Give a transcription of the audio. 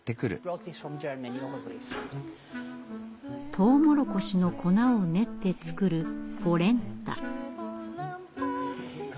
トウモロコシの粉を練って作るポレンタ。